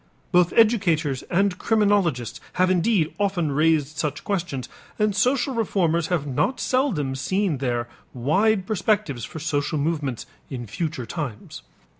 Both educators and criminologists have indeed often raised such questions, and social reformers have not seldom seen there wide perspectives for social movements in future times.